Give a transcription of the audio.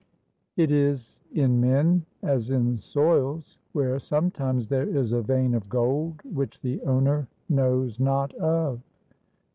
"It is in men as in soils where sometimes there is a vein of gold which the owner knows not of."